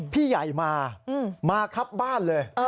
พี่ใหญ่มามาครับบ้านเลย